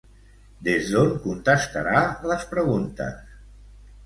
Des d'on contestarà les preguntes?